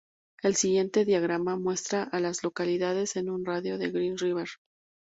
El siguiente diagrama muestra a las localidades en un radio de de Green River.